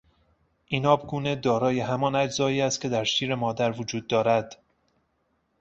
این آبگونه دارای همان اجزایی است که در شیر مادر وجود دارد.